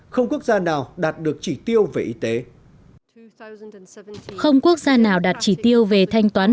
không quốc gia nào đạt được chỉ tiêu về y tế không quốc gia nào đạt chỉ tiêu về thanh toán